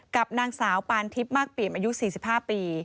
กับนางสาวปานทิพย์มากเปี่ยมอายุ๔๕ปี